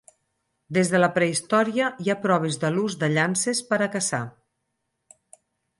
Des de la prehistòria hi ha proves de l’ús de llances per a caçar.